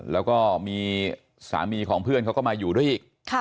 แล้วก็มีสามีของเพื่อนเขาก็มาอยู่ด้วยอีก